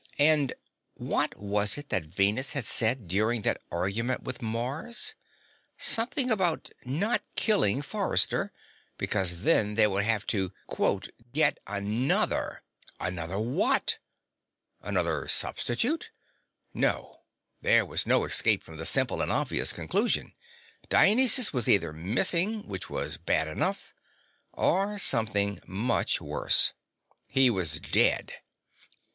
And what was it that Venus had said during that argument with Mars? Something about not killing Forrester, because then they would have to "get another " Another what? Another substitute? No, there was no escape from the simple and obvious conclusion. Dionysus was either missing, which was bad enough, or something much worse. He was dead.